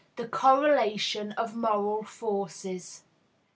'" The Correlation of Moral Forces.